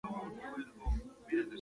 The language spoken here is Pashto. د سپرنووا چاودنه ستوری له منځه وړي.